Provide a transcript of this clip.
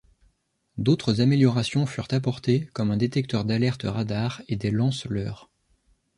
D'autres améliorations furent apportées comme un détecteur d'alerte radar et des lance-leurres.